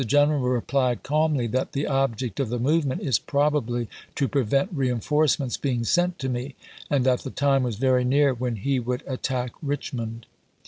general replied calmly that " the object of the movement is probably to prevent reenforcements being sent to me," and that the time was very near n,id,,p. 32. when he would attack Richmond.